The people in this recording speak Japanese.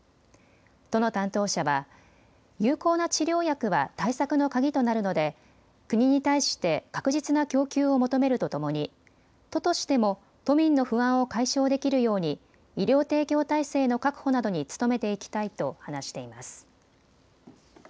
都の担当者は有効な治療薬は対策の鍵となるので国に対して確実な供給を求めるとともに都としても都民の不安を解消できるように医療提供体制の確保などに努めていきたいと話しています。